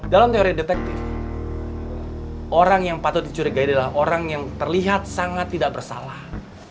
dalam teori detektif orang yang patut dicurigai adalah orang yang terlihat sangat tidak bersalah